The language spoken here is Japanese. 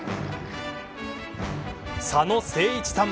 佐野誠一さん